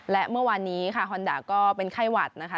และเมื่อวานนี้ค่ะฮอนดาก็เป็นไข้หวัดนะคะ